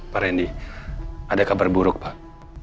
pak randy ada kabar buruk pak